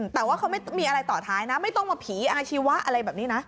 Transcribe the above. แต่ว่าเขาไม่มีอะไรต่อท้ายนะไม่ต้องมาผีอาชีวะอะไรแบบนี้นะ